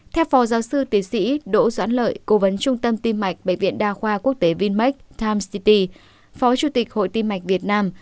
theo phó giáo sư tiến sĩ đỗ doãn lợi cố vấn trung tâm tim mạch bệnh viện đa khoa quốc tế vinmec times city phó chủ tịch hội tim mạch việt nam